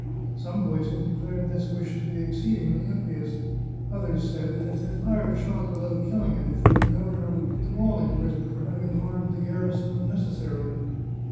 Some voices declared this wish to be exceedingly impious ; others said that if they fired a shot without killing anything the governor would put them all in prison for having alarmed the garrison unnecessarily.